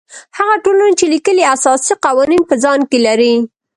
هغه ټولنې چې لیکلي اساسي قوانین په ځان کې لري.